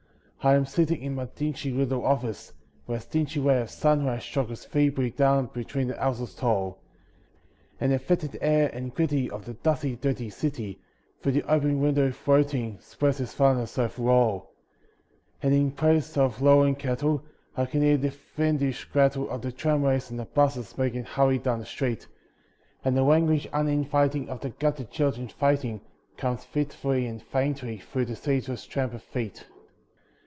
I am sitting in my dingy little office, where a stingy Ray of sunlight struggles feebly down between the houses tall, And the foetid air and gritty of the dusty, dirty city, Through the open window floating, spreads its foulness over all. And in place of lowing cattle, I can hear the fiendish rattle Of the tramways and the buses making hurry down the street; And the language uninviting of the gutter children fighting Comes fitfully and faintly through the ceaseless tramp of feet.